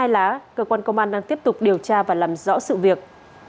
năm mươi hai lá cơ quan công an đang tiếp tục điều tra và làm rõ sự việc